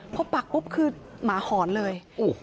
พอปักปุ๊บคือหมาหอนเลย